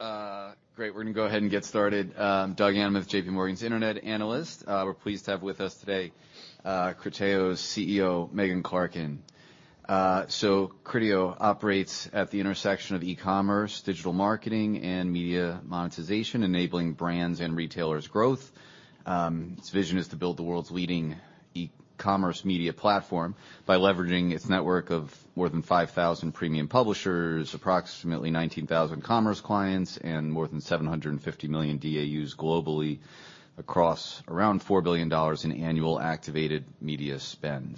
All right. great. We're gonna go ahead and get started. Doug Anmuth, J.P. Morgan's internet analyst. we're pleased to have with us today, Criteo's CEO, Megan Clarken. Criteo operates at the intersection of e-commerce, digital marketing, and media monetization, enabling brands and retailers' growth. its vision is to build the world's leading e-commerce media platform by leveraging its network of more than 5,000 premium publishers, approximately 19,000 commerce clients, and more than 750,000,000 DAUs globally across around $4,000,000,000 in annual activated media spend.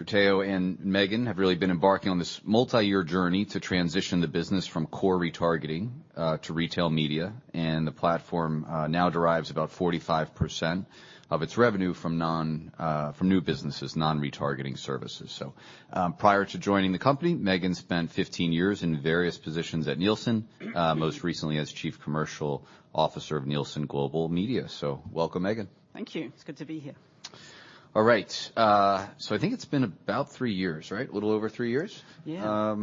Criteo and Megan have really been embarking on this multiyear journey to transition the business from core retargeting to retail media. the platform now derives about 45% of its revenue from non, from new businesses, non-retargeting services. Prior to joining the company, Megan spent 15 years in various positions at Nielsen, most recently as Chief Commercial Officer of Nielsen Global Media. Welcome, Megan. Thank you. It's good to be here. All right. I think it's been about three years, right? A little over three years. Yeah.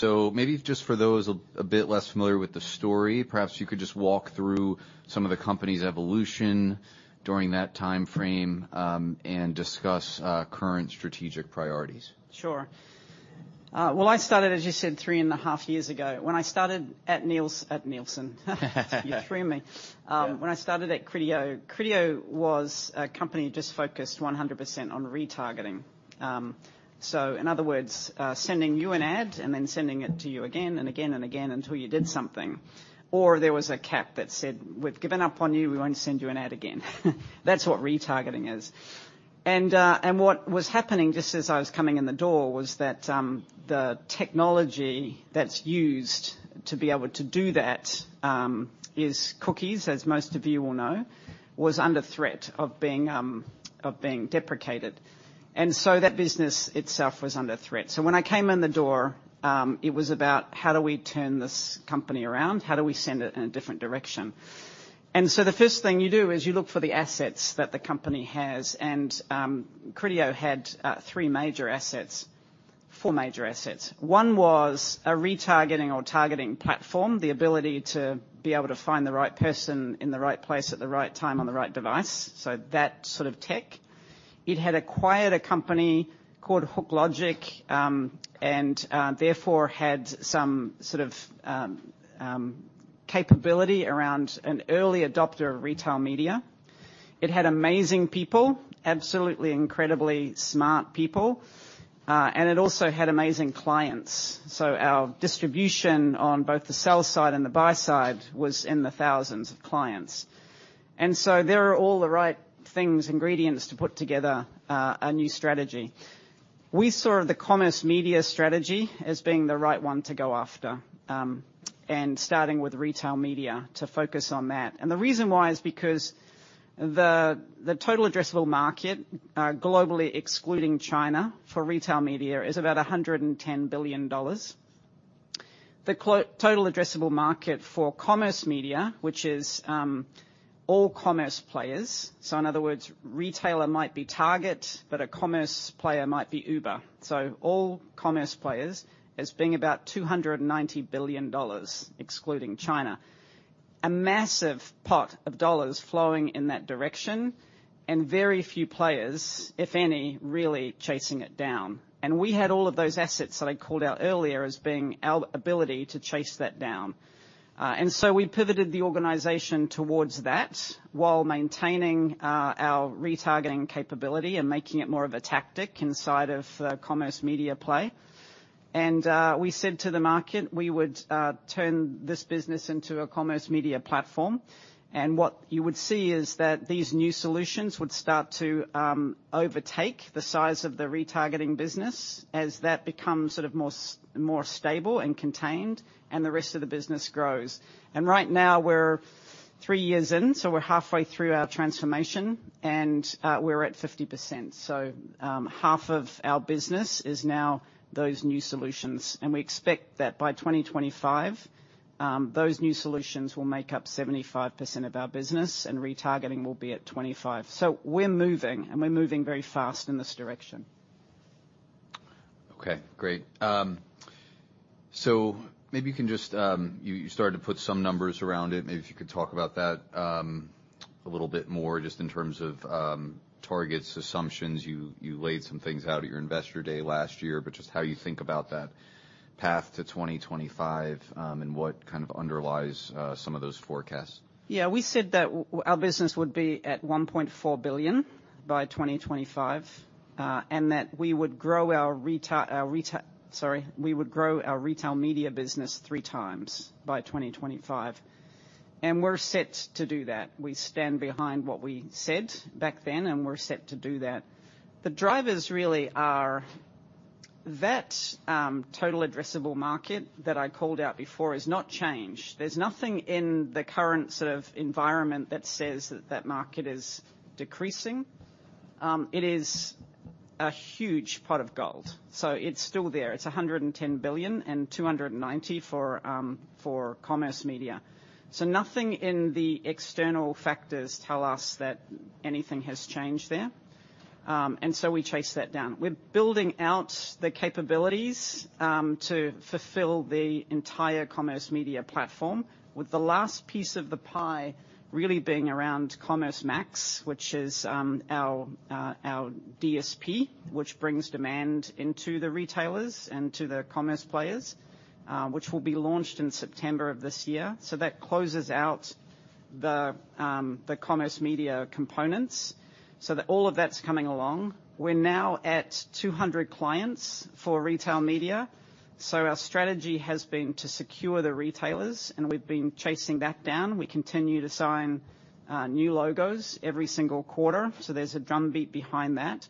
Maybe just for those a bit less familiar with the story, perhaps you could just walk through some of the company's evolution during that timeframe, and discuss current strategic priorities. Sure. Well, I started, as you said, 3 and a half years ago. When I started at Nielsen. You threw me. When I started at Criteo was a company just focused 100% on retargeting. In other words, sending you an ad and then sending it to you again and again and again until you did something. There was a cap that said, "We've given up on you. We won't send you an ad again." That's what retargeting is. What was happening just as I was coming in the door was that the technology that's used to be able to do that is cookies, as most of you will know, was under threat of being of being deprecated. That business itself was under threat. When I came in the door, it was about how do we turn this company around? How do we send it in a different direction? The first thing you do is you look for the assets that the company has, and Criteo had three major assets. Four major assets. One was a retargeting or targeting platform, the ability to be able to find the right person in the right place at the right time on the right device, so that sort of tech. It had acquired a company called HookLogic, and therefore had some sort of capability around an early adopter of Retail Media. It had amazing people, absolutely incredibly smart people, and it also had amazing clients. Our distribution on both the sell side and the buy side was in the thousands of clients. There are all the right things, ingredients to put together a new strategy. We saw the Commerce Media strategy as being the right one to go after, and starting with Retail Media to focus on that. The reason why is because the total addressable market globally, excluding China, for Retail Media is about $110,000,000,000. The total addressable market for Commerce Media, which is all commerce players, so in other words, retailer might be Target, but a commerce player might be Uber. All commerce players as being about $290,000,000,000, excluding China. A massive pot of dollars flowing in that direction, and very few players, if any, really chasing it down. We had all of those assets that I called out earlier as being our ability to chase that down. We pivoted the organization towards that while maintaining our retargeting capability and making it more of a tactic inside of the Commerce Media play. We said to the market, we would turn this business into a Commerce Media platform. What you would see is that these new solutions would start to overtake the size of the retargeting business as that becomes sort of more stable and contained, and the rest of the business grows. Right now we're 3 years in, so we're halfway through our transformation, and we're at 50%. Half of our business is now those new solutions, and we expect that by 2025, those new solutions will make up 75% of our business and retargeting will be at 25%. We're moving, and we're moving very fast in this direction. Okay, great. Maybe you can just, you started to put some numbers around it. Maybe if you could talk about that a little bit more just in terms of targets, assumptions. You laid some things out at your investor day last year, but just how you think about that path to 2025, and what kind of underlies some of those forecasts. Yeah. We said that our business would be at $1,400,000,000 by 2025, and that Sorry, we would grow our Retail Media business 3 times by 2025, and we're set to do that. We stand behind what we said back then, and we're set to do that. The drivers really are that total addressable market that I called out before has not changed. There's nothing in the current sort of environment that says that that market is decreasing. It is a huge pot of gold. It's still there. It's $110,000,000,000 and $290,000,000,000 for Commerce Media. Nothing in the external factors tell us that anything has changed there. We chase that down. We're building out the capabilities, to fulfill the entire Commerce Media platform, with the last piece of the pie really being around Commerce Max, which is, our DSP, which brings demand into the retailers and to the commerce players, which will be launched in September of this year. That closes out the Commerce Media components that all of that's coming along. We're now at 200 clients for Retail Media. Our strategy has been to secure the retailers, and we've been chasing that down. We continue to sign new logos every single quarter. There's a drumbeat behind that.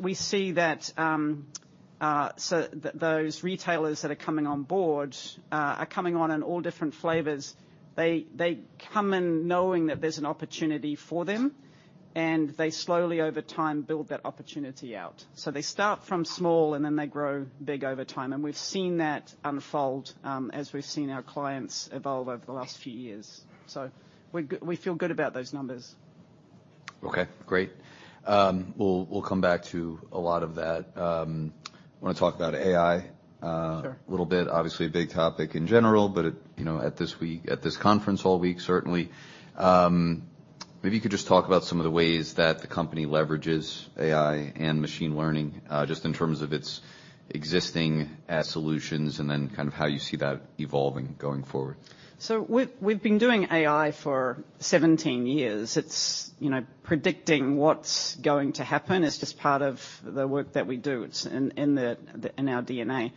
We see that those retailers that are coming on board, are coming on in all different flavors. They come in knowing that there's an opportunity for them, and they slowly, over time, build that opportunity out. They start from small, and then they grow big over time. We've seen that unfold as we've seen our clients evolve over the last few years. We feel good about those numbers. Okay, great. We'll come back to a lot of that. I wanna talk about AI. Sure. A little bit. Obviously, a big topic in general, but it, you know, at this week, at this conference all week, certainly. Maybe you could just talk about some of the ways that the company leverages AI and machine learning, just in terms of its existing ad solutions, and then kind of how you see that evolving going forward. We've been doing AI for 17 years. It's, you know, predicting what's going to happen. It's just part of the work that we do. It's in our DNA.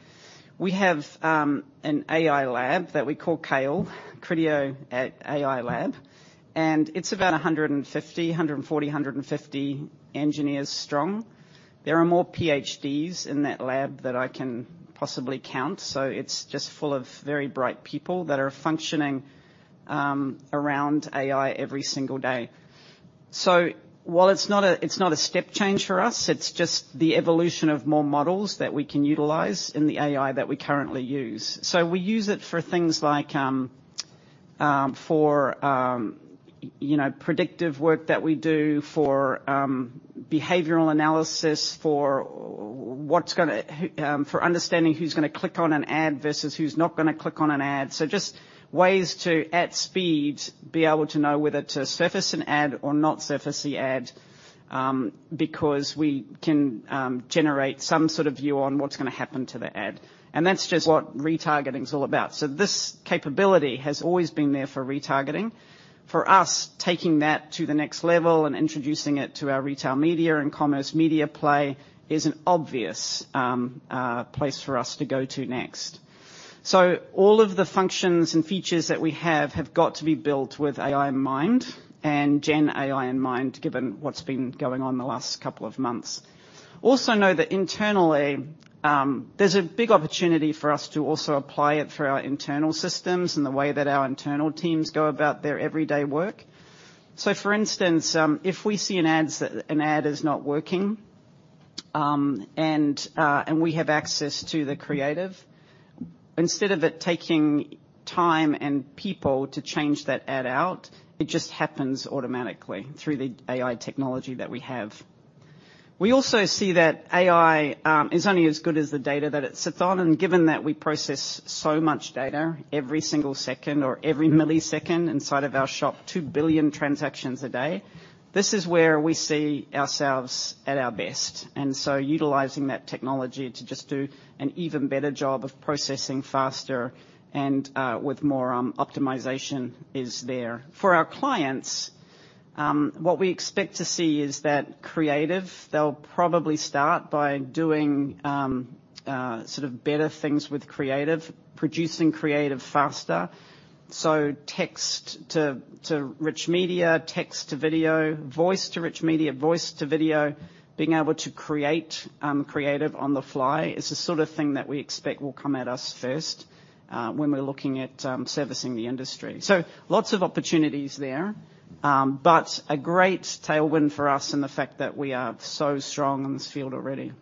We have an AI lab that we call CAIL, Criteo AI Lab, and it's about 150 engineers strong. There are more PhDs in that lab than I can possibly count, so it's just full of very bright people that are functioning around AI every single day. While it's not a step change for us, it's just the evolution of more models that we can utilize in the AI that we currently use. We use it for things like, you know, predictive work that we do, for behavioral analysis. For understanding who's gonna click on an ad versus who's not gonna click on an ad. Just ways to, at speed, be able to know whether to surface an ad or not surface the ad, because we can generate some sort of view on what's gonna happen to the ad. That's just what retargeting is all about. This capability has always been there for retargeting. For us, taking that to the next level and introducing it to our Retail Media and Commerce Media play is an obvious place for us to go to next. All of the functions and features that we have have got to be built with AI in mind and GenAI in mind, given what's been going on the last couple of months. Know that internally, there's a big opportunity for us to also apply it through our internal systems and the way that our internal teams go about their everyday work. For instance, if we see an ad is not working, and we have access to the creative, instead of it taking time and people to change that ad out, it just happens automatically through the AI technology that we have. We also see that AI is only as good as the data that it sits on, and given that we process so much data every single second or every millisecond inside of our shop, 2,000,000,000 transactions a day, this is where we see ourselves at our best. Utilizing that technology to just do an even better job of processing faster and with more optimization is there. For our clients, what we expect to see is that creative, they'll probably start by doing sort of better things with creative, producing creative faster. Text to rich media, text to video, voice to rich media, voice to video. Being able to create creative on the fly is the sort of thing that we expect will come at us first, when we're looking at servicing the industry. Lots of opportunities there, but a great tailwind for us in the fact that we are so strong in this field already.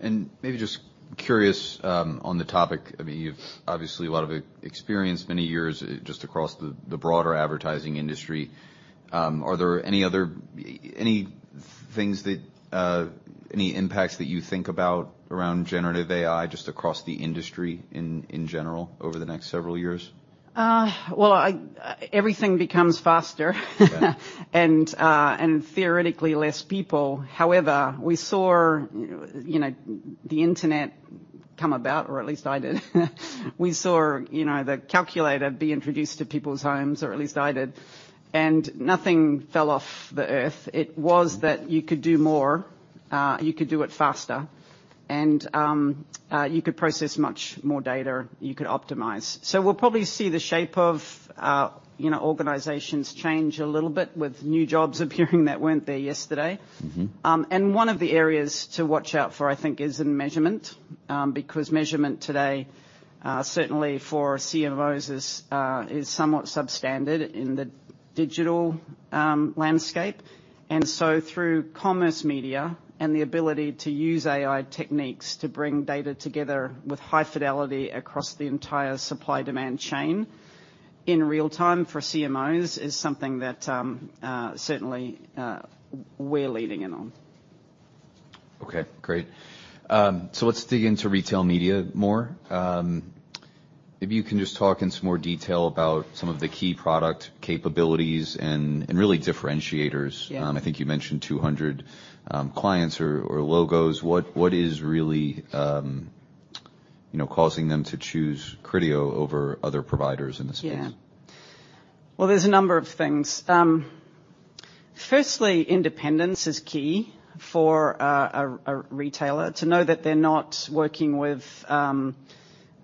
Maybe just curious, on the topic, I mean, you've obviously a lot of experience, many years just across the broader advertising industry. Are there any other things that any impacts that you think about around generative AI, just across the industry in general over the next several years? Well, I, everything becomes faster. Okay. Theoretically less people. However, we saw, you know, the internet come about or at least I did. We saw, you know, the calculator be introduced to people's homes or at least I did, and nothing fell off the earth. It was that you could do more, you could do it faster, and you could process much more data, you could optimize. We'll probably see the shape of, you know, organizations change a little bit with new jobs appearing that weren't there yesterday. Mm-hmm. One of the areas to watch out for, I think, is in measurement. Because measurement today, certainly for CMOs is somewhat substandard in the digital landscape. Through commerce media and the ability to use AI techniques to bring data together with high fidelity across the entire supply-demand chain. In real time for CMOs is something that certainly we're leading in on. Okay, great. Let's dig into retail media more. If you can just talk in some more detail about some of the key product capabilities and really differentiators. Yeah. I think you mentioned 200 clients or logos. What is really, you know, causing them to choose Criteo over other providers in this space? Well, there's a number of things. Firstly, independence is key for a retailer to know that they're not working with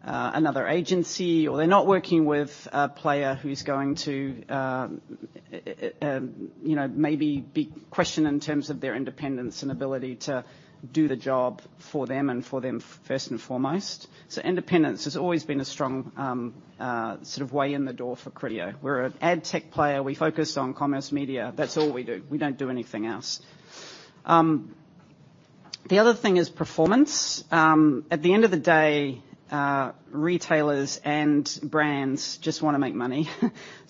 another agency, or they're not working with a player who's going to, you know, maybe be questioned in terms of their independence and ability to do the job for them and for them first and foremost. Independence has always been a strong sort of way in the door for Criteo. We're an AdTech player. We focus on Commerce Media. That's all we do. We don't do anything else. The other thing is performance. At the end of the day, retailers and brands just wanna make money.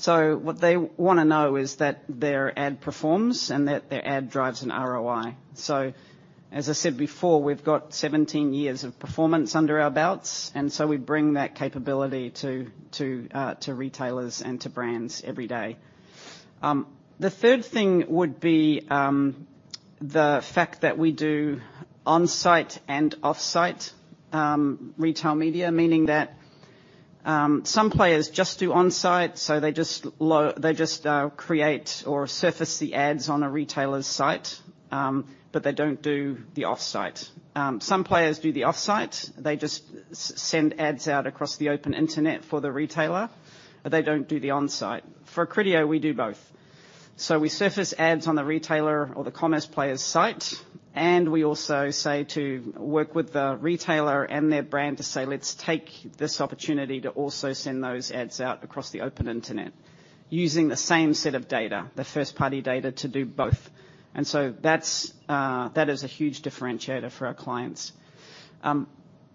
What they wanna know is that their ad performs and that their ad drives an ROI. As I said before, we've got 17 years of performance under our belts, and we bring that capability to retailers and to brands every day. The third thing would be the fact that we do on-site and off-site retail media, meaning that some players just do on-site, so they just create or surface the ads on a retailer's site, but they don't do the off-site. Some players do the off-site. They just send ads out across the open internet for the retailer, but they don't do the on-site. For Criteo, we do both. We surface ads on the retailer or the commerce player's site, and we also work with the retailer and their brand to say, "Let's take this opportunity to also send those ads out across the open internet using the same set of data, the first-party data, to do both." That is a huge differentiator for our clients.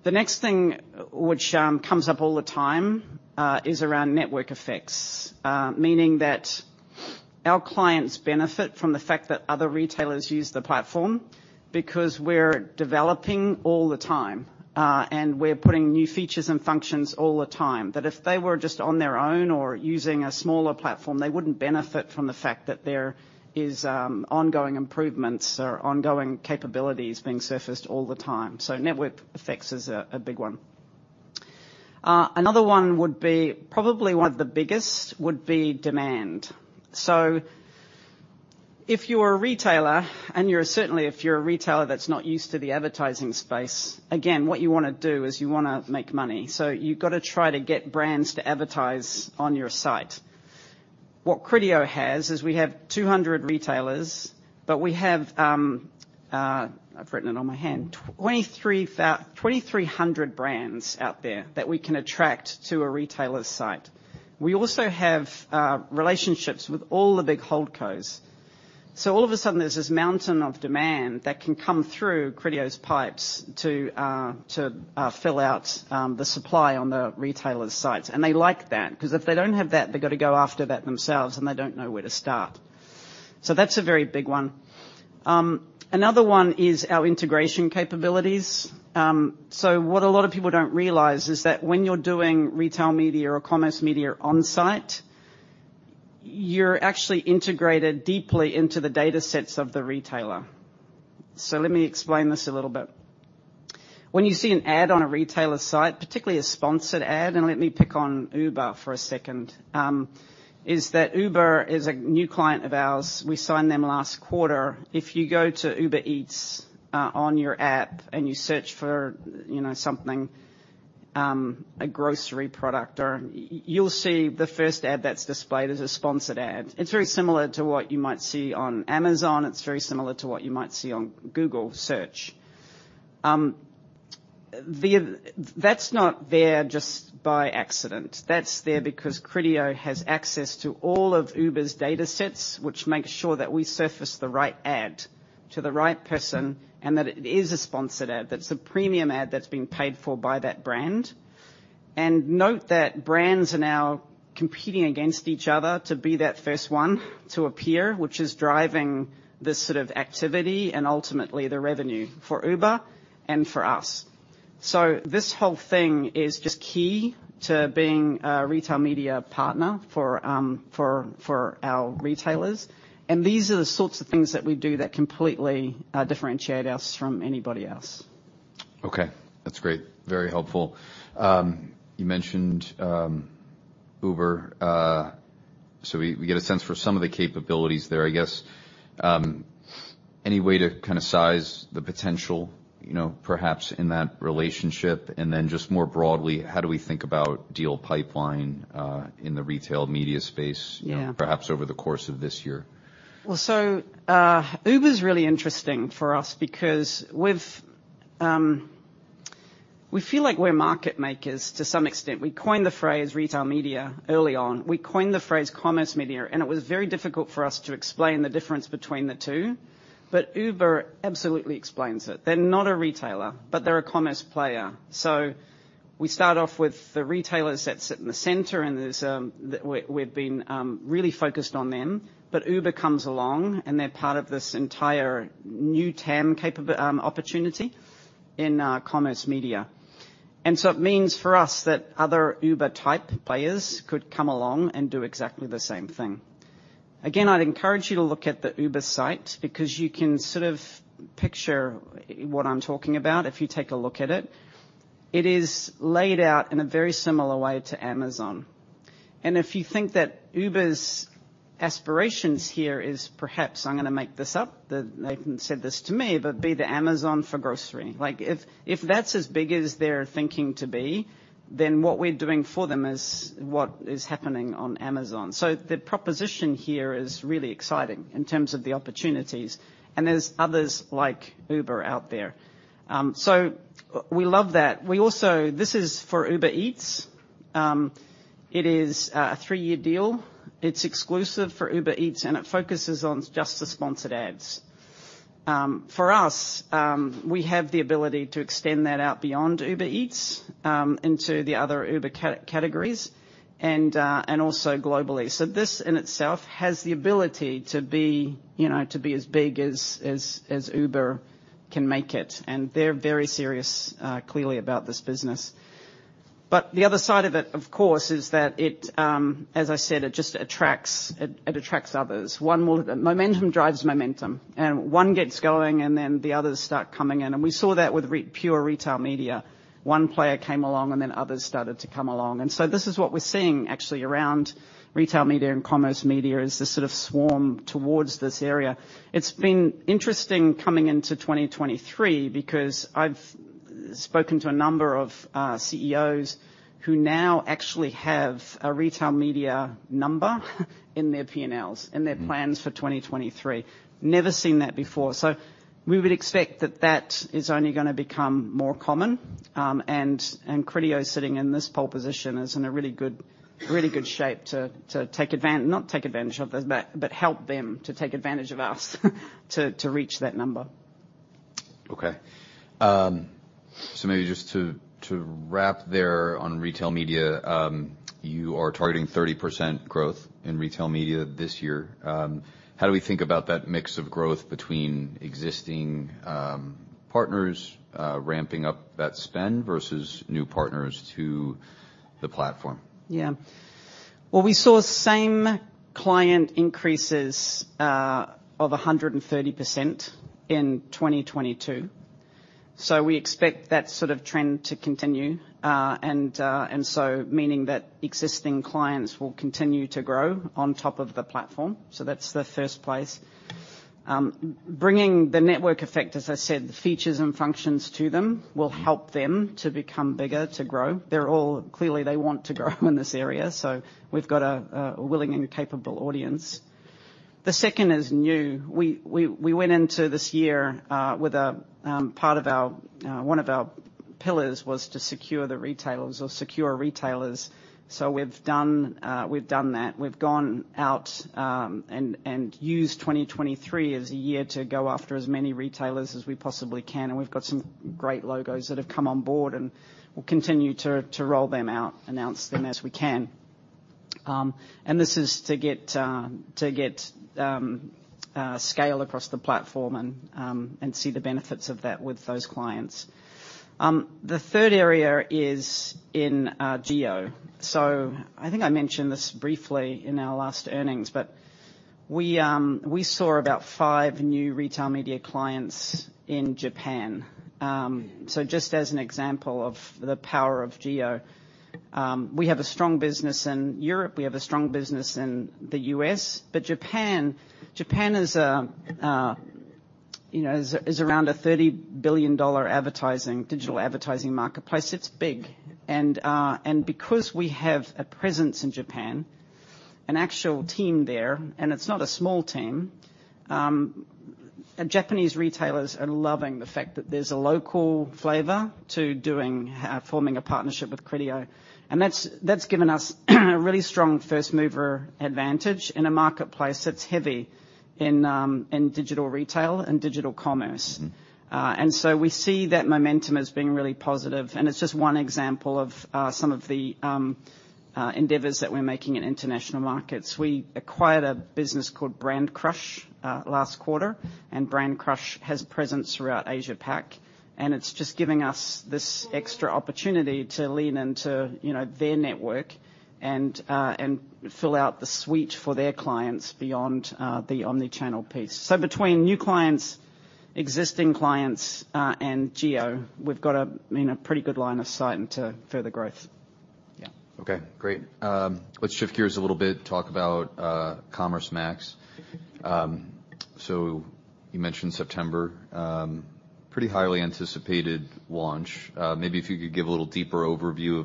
The next thing which comes up all the time is around network effects, meaning that our clients benefit from the fact that other retailers use the platform because we're developing all the time and we're putting new features and functions all the time. That if they were just on their own or using a smaller platform, they wouldn't benefit from the fact that there is ongoing improvements or ongoing capabilities being surfaced all the time. Network effects is a big one. Another one would be, probably one of the biggest, would be demand. If you're a retailer, and you're certainly, if you're a retailer that's not used to the advertising space, again, what you wanna do is you wanna make money. You've gotta try to get brands to advertise on your site. What Criteo has is we have 200 retailers, but we have, I've written it on my hand, 2,300 brands out there that we can attract to a retailer's site. We also have relationships with all the big holdcos. All of a sudden, there's this mountain of demand that can come through Criteo's pipes to fill out the supply on the retailers' sites, and they like that, 'cause if they don't have that, they've gotta go after that themselves, and they don't know where to start. That's a very big one. Another one is our integration capabilities. What a lot of people don't realize is that when you're doing Retail Media or Commerce Media on-site, you're actually integrated deeply into the datasets of the retailer. Let me explain this a little bit. When you see an ad on a retailer's site, particularly a sponsored ad, and let me pick on Uber for a second, is that Uber is a new client of ours. We signed them last quarter. If you go to Uber Eats, on your app and you search for, you know, something, a grocery product or. You'll see the first ad that's displayed is a sponsored ad. It's very similar to what you might see on Amazon. It's very similar to what you might see on Google search. That's not there just by accident. That's there because Criteo has access to all of Uber's datasets, which makes sure that we surface the right ad to the right person and that it is a sponsored ad. That it's a premium ad that's been paid for by that brand. Note that brands are now competing against each other to be that first one to appear, which is driving this sort of activity and ultimately the revenue for Uber and for us. This whole thing is just key to being a retail media partner for our retailers, and these are the sorts of things that we do that completely differentiate us from anybody else. Okay, that's great. Very helpful. You mentioned Uber, so we get a sense for some of the capabilities there, I guess. Any way to kinda size the potential, you know, perhaps in that relationship? Then just more broadly, how do we think about deal pipeline in the Retail Media space? Yeah... perhaps over the course of this year? Uber's really interesting for us because with we feel like we're market makers to some extent. We coined the phrase retail media early on. We coined the phrase commerce media. It was very difficult for us to explain the difference between the two. Uber absolutely explains it. They're not a retailer, they're a commerce player. We start off with the retailers that sit in the center. We, we've been really focused on them. Uber comes along, they're part of this entire new TAM opportunity in commerce media. It means for us that other Uber-type players could come along and do exactly the same thing. Again, I'd encourage you to look at the Uber site because you can sort of picture what I'm talking about if you take a look at it. It is laid out in a very similar way to Amazon. If you think that Uber's aspirations here is perhaps, I'm gonna make this up, they haven't said this to me, but be the Amazon for grocery. Like, if that's as big as they're thinking to be, what we're doing for them is what is happening on Amazon. The proposition here is really exciting in terms of the opportunities, and there's others like Uber out there. We love that. This is for Uber Eats. It is a three-year deal. It's exclusive for Uber Eats, and it focuses on just the sponsored ads. For us, we have the ability to extend that out beyond Uber Eats, into the other Uber categories and also globally. This in itself has the ability to be, you know, to be as big as Uber can make it, and they're very serious, clearly about this business. The other side of it, of course, is that it, as I said, it just attracts others. Momentum drives momentum, and one gets going, and then the others start coming in. We saw that with pure retail media. One player came along, and then others started to come along. This is what we're seeing actually around retail media and commerce media, is this sort of swarm towards this area. It's been interesting coming into 2023 because I've spoken to a number of CEOs who now actually have a retail media number in their P&Ls. Mm-hmm ...in their plans for 2023. Never seen that before. We would expect that that is only gonna become more common, and Criteo sitting in this pole position is in a really good shape to not take advantage of, but help them to take advantage of us to reach that number. Maybe just to wrap there on Retail Media, you are targeting 30% growth in Retail Media this year. How do we think about that mix of growth between existing partners ramping up that spend versus new partners to the platform? Well, we saw same client increases of 130% in 2022, so we expect that sort of trend to continue. Meaning that existing clients will continue to grow on top of the platform. That's the first place. Bringing the network effect, as I said, the features and functions to them will help them to become bigger, to grow. They're all Clearly, they want to grow in this area, so we've got a willing and capable audience. The second is new. We went into this year with part of our one of our pillars was to secure the retailers or secure retailers. We've done that. We've gone out, and used 2023 as a year to go after as many retailers as we possibly can, and we've got some great logos that have come on board, and we'll continue to roll them out, announce them as we can. This is to get scale across the platform and see the benefits of that with those clients. The third area is in geo. I think I mentioned this briefly in our last earnings, but we saw about 5 new retail media clients in Japan. Just as an example of the power of geo, we have a strong business in Europe, we have a strong business in the U.S., but Japan is, you know, is around a $30,000,000,000 advertising, digital advertising marketplace. It's big. Because we have a presence in Japan, an actual team there, and it's not a small team, Japanese retailers are loving the fact that there's a local flavor to doing forming a partnership with Criteo. That's given us a really strong first-mover advantage in a marketplace that's heavy in digital retail and digital commerce. Mm-hmm. We see that momentum as being really positive, and it's just one example of some of the endeavors that we're making in international markets. We acquired a business called Brandcrush last quarter, and Brandcrush has presence throughout Asia Pac, and it's just giving us this extra opportunity to lean into, you know, their network and fill out the suite for their clients beyond the omnichannel piece. Between new clients, existing clients, and geo, we've got a, I mean, a pretty good line of sight into further growth. Yeah. Okay, great. Let's shift gears a little bit, talk about Commerce Max. You mentioned September, pretty highly anticipated launch. Maybe if you could give a little deeper overview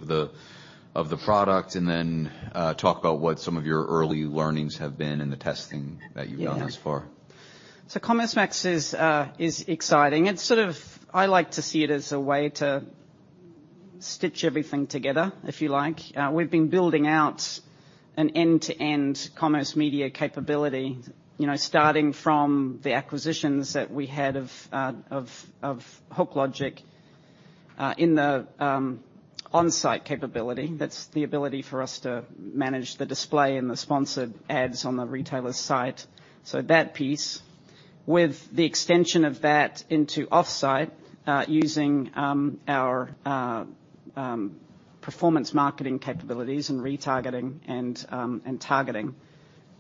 of the product and then talk about what some of your early learnings have been in the testing that you've done thus far. Commerce Max is exciting. It's sort of I like to see it as a way to stitch everything together, if you like. We've been building an end-to-end commerce media capability, you know, starting from the acquisitions that we had of HookLogic in the on-site capability. That's the ability for us to manage the display and the sponsored ads on the retailer site. That piece with the extension of that into off-site, using our performance marketing capabilities and retargeting and targeting.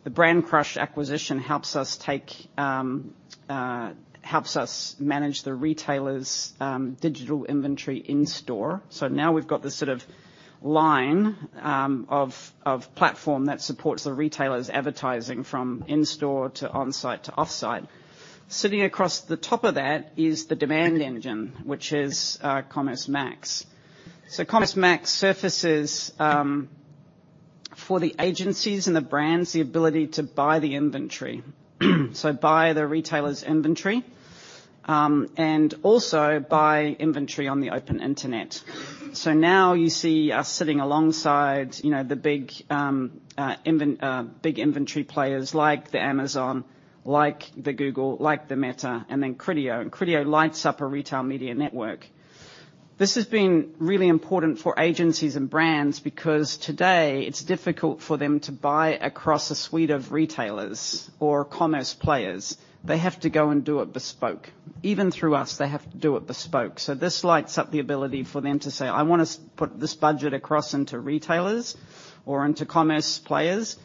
The Brandcrush acquisition helps us take, helps us manage the retailers' digital inventory in store. Now we've got this sort of line of platform that supports the retailers' advertising from in-store to on-site to off-site. Sitting across the top of that is the demand engine, which is Commerce Max. Commerce Max surfaces for the agencies and the brands, the ability to buy the inventory. Buy the retailer's inventory and also buy inventory on the open internet. Now you see us sitting alongside, you know, the big inventory players like the Amazon, like the Google, like the Meta, and then Criteo. Criteo lights up a Retail Media network. This has been really important for agencies and brands because today it's difficult for them to buy across a suite of retailers or commerce players. They have to go and do it bespoke. Even through us, they have to do it bespoke. This lights up the ability for them to say, "I wanna put this budget across into retailers or into commerce players,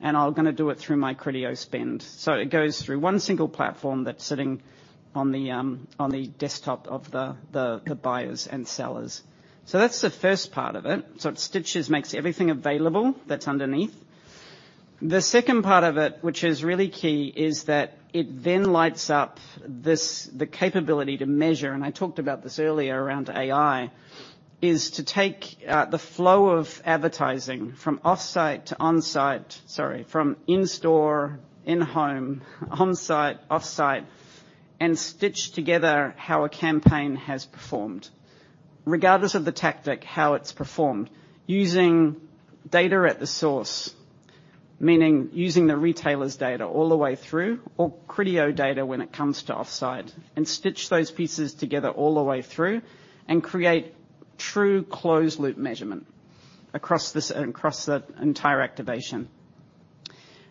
and I'm gonna do it through my Criteo spend." It goes through one single platform that's sitting on the desktop of the buyers and sellers. That's the first part of it. It stitches, makes everything available that's underneath. The second part of it, which is really key, is that it then lights up the capability to measure, and I talked about this earlier around AI, is to take the flow of advertising from off-site to on-site. Sorry, from in-store, in-home, on-site, off-site, and stitch together how a campaign has performed. Regardless of the tactic, how it's performed using data at the source, meaning using the retailer's data all the way through, or Criteo data when it comes to off-site, and stitch those pieces together all the way through and create true closed-loop measurement across that entire activation.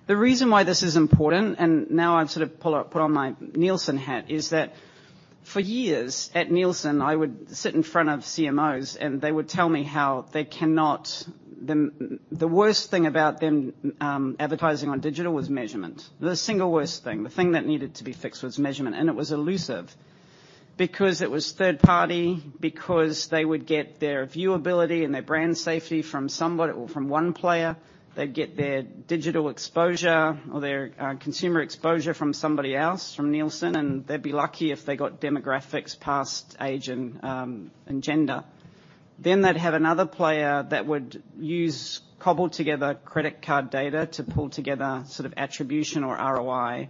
The reason why this is important, now I've sort of put on my Nielsen hat, is that for years at Nielsen, I would sit in front of CMOs, and they would tell me how they cannot... The worst thing about them advertising on digital was measurement. The single worst thing, the thing that needed to be fixed was measurement. It was elusive because it was third party, because they would get their viewability and their brand safety from somebody or from one player. They'd get their digital exposure or their consumer exposure from somebody else, from Nielsen, they'd be lucky if they got demographics past age and gender. They'd have another player that would use cobbled together credit card data to pull together sort of attribution or ROI.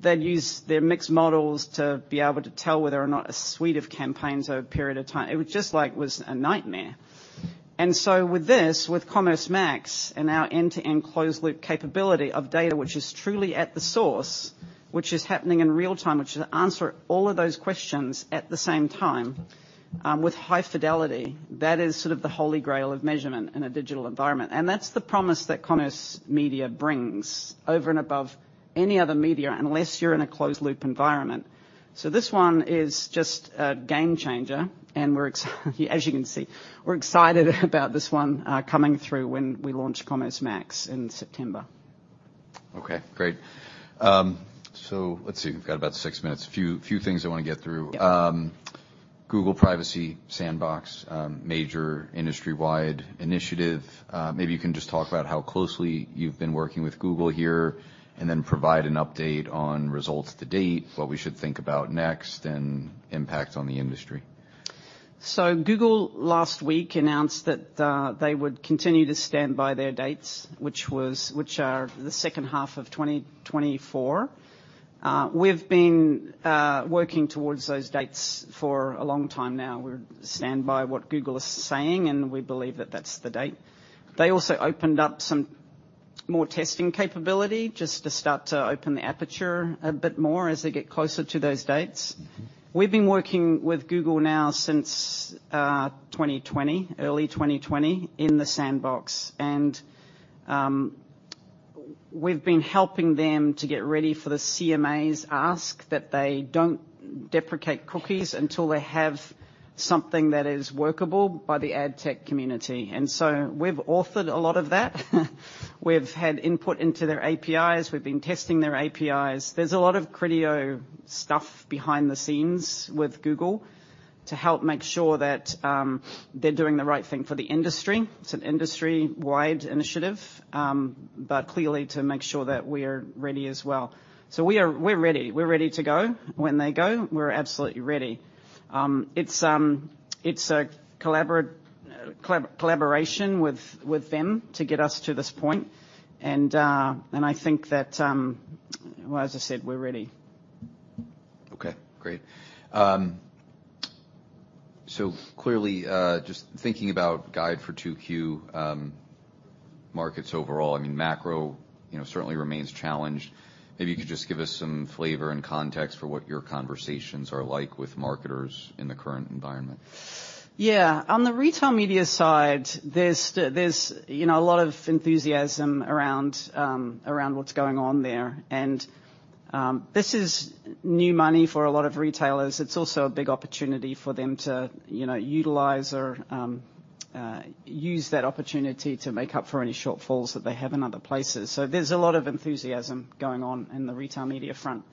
They'd use their mixed models to be able to tell whether or not a suite of campaigns over a period of time. It was just like, was a nightmare. With this, with Commerce Max and our end-to-end closed loop capability of data, which is truly at the source, which is happening in real-time, which is answering all of those questions at the same time, with high fidelity, that is sort of the holy grail of measurement in a digital environment. That's the promise that commerce media brings over and above any other media, unless you're in a closed-loop environment. This one is just a game changer, and as you can see, we're excited about this one, coming through when we launch Commerce Max in September. Okay, great. Let's see. We've got about six minutes. Few things I wanna get through. Yeah. Google Privacy Sandbox, major industry-wide initiative. Maybe you can just talk about how closely you've been working with Google here, and then provide an update on results to date, what we should think about next, and impact on the industry. Google last week announced that they would continue to stand by their dates, which are the second half of 2024. We've been working towards those dates for a long time now. We stand by what Google is saying, and we believe that that's the date. They also opened up some more testing capability just to start to open the aperture a bit more as they get closer to those dates. We've been working with Google now since 2020, early 2020 in the Sandbox, and we've been helping them to get ready for the CMA's ask that they don't deprecate cookies until they have something that is workable by the AdTech community. We've authored a lot of that. We've had input into their APIs. We've been testing their APIs. There's a lot of Criteo stuff behind the scenes with Google to help make sure that, they're doing the right thing for the industry. It's an industry-wide initiative, clearly to make sure that we're ready as well. We're ready. We're ready to go when they go. We're absolutely ready. It's, it's a collaboration with them to get us to this point, I think that, well, as I said, we're ready. Okay, great. Clearly, just thinking about guide for 2Q, markets overall, I mean, macro, you know, certainly remains challenged. Maybe you could just give us some flavor and context for what your conversations are like with marketers in the current environment. Yeah. On the Retail Media side, there's, you know, a lot of enthusiasm around what's going on there. This is new money for a lot of retailers. It's also a big opportunity for them to, you know, utilize or use that opportunity to make up for any shortfalls that they have in other places. There's a lot of enthusiasm going on in the Retail Media front.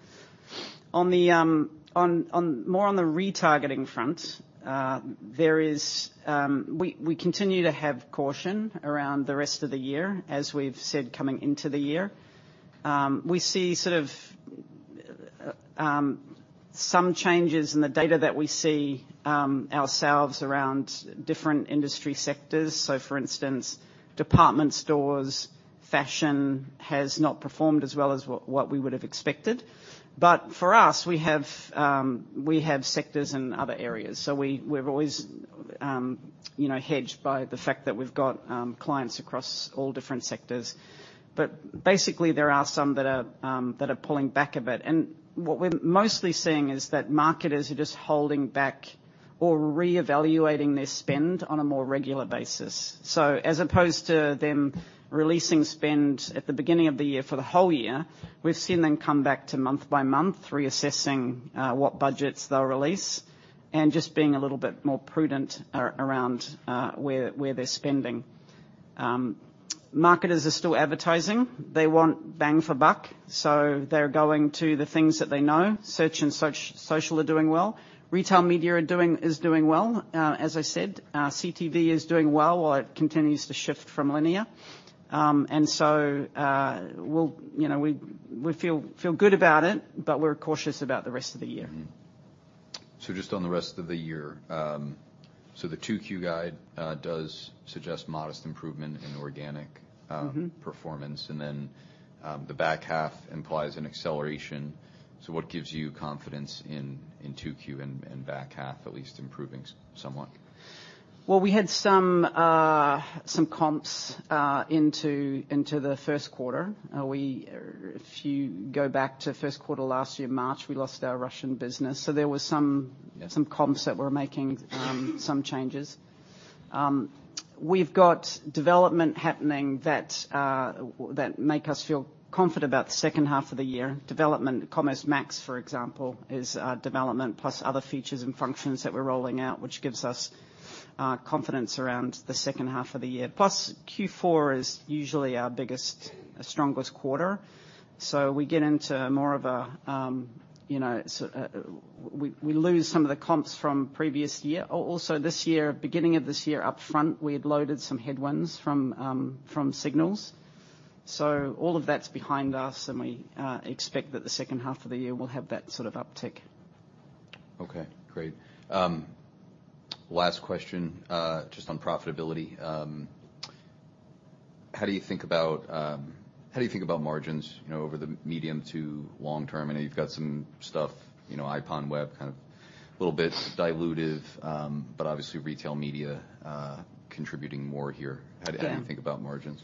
On the more on the retargeting front, there is, we continue to have caution around the rest of the year, as we've said coming into the year. We see sort of some changes in the data that we see ourselves around different industry sectors. For instance, department stores, fashion has not performed as well as what we would have expected. For us, we have, we have sectors in other areas, so we're always, you know, hedged by the fact that we've got clients across all different sectors. Basically, there are some that are pulling back a bit. What we're mostly seeing is that marketers are just holding back or reevaluating their spend on a more regular basis. As opposed to them releasing spend at the beginning of the year for the whole year, we've seen them come back to month by month reassessing what budgets they'll release and just being a little bit more prudent around where they're spending. Marketers are still advertising. They want bang for buck, so they're going to the things that they know. Search and social are doing well. Retail Media is doing well. as I said, CTV is doing well while it continues to shift from linear. We'll, you know, we feel good about it, but we're cautious about the rest of the year. Just on the rest of the year, so the 2 Q guide does suggest modest improvement in organic. Mm-hmm... performance, the back half implies an acceleration. What gives you confidence in 2Q and back half at least improving somewhat? We had some comps into the first quarter. If you go back to first quarter last year, March, we lost our Russian business. Yeah... some comps that were making some changes. We've got development happening that that make us feel confident about the second half of the year. Development, Commerce Max, for example, is development plus other features and functions that we're rolling out, which gives us confidence around the second half of the year. Q4 is usually our biggest, strongest quarter, so we get into more of a, you know, we lose some of the comps from previous year. This year, beginning of this year, upfront, we had loaded some headwinds from from signals. All of that's behind us, and we expect that the second half of the year will have that sort of uptick. Okay, great. Last question, just on profitability. How do you think about, how do you think about margins, you know, over the medium to long term? I know you've got some stuff, you know, IPONWEB, kind of a little bit dilutive, but obviously, Retail Media, contributing more here. Yeah. How do you think about margins?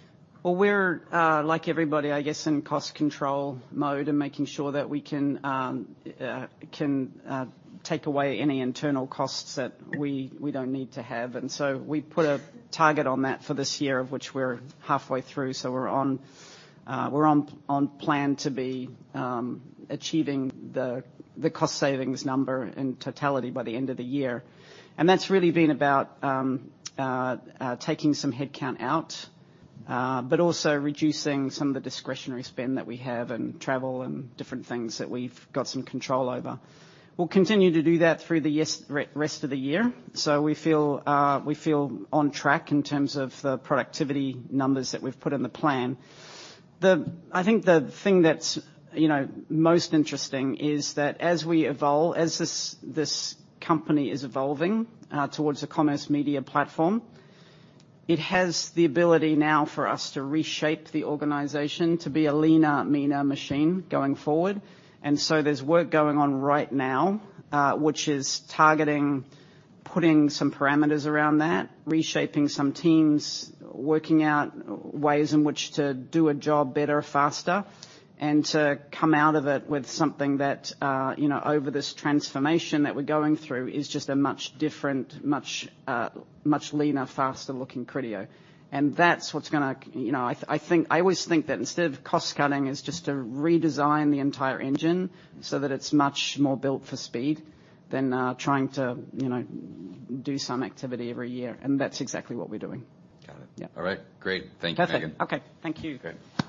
Well, we're like everybody, I guess, in cost control mode and making sure that we can take away any internal costs that we don't need to have. We put a target on that for this year, of which we're halfway through. We're on plan to be achieving the cost savings number in totality by the end of the year. That's really been about taking some headcount out, but also reducing some of the discretionary spend that we have in travel and different things that we've got some control over. We'll continue to do that through the rest of the year. We feel on track in terms of the productivity numbers that we've put in the plan. I think the thing that's, you know, most interesting is that as we evolve, as this company is evolving towards a Commerce Media platform, it has the ability now for us to reshape the organization to be a leaner, meaner machine going forward. There's work going on right now, which is targeting putting some parameters around that, reshaping some teams, working out ways in which to do a job better, faster, and to come out of it with something that, you know, over this transformation that we're going through is just a much different, much leaner, faster looking Criteo. That's what's gonna, you know. I think, I always think that instead of cost-cutting, is just to redesign the entire engine so that it's much more built for speed than trying to, you know, do some activity every year. That's exactly what we're doing. Got it. Yeah. All right. Great. Thank you, Megan. Perfect. Okay. Thank you. Great.